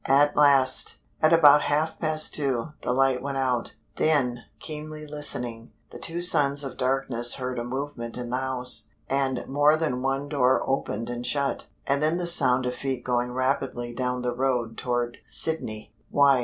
At last, at about half past two, the light went out. Then, keenly listening, the two sons of darkness heard a movement in the house, and more than one door open and shut, and then the sound of feet going rapidly down the road toward Sydney. "Why!